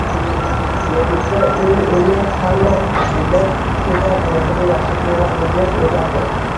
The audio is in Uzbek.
Natijada u uni hamma xushidan ketar darajada yaxshi ko‘radi deb o'ylardi.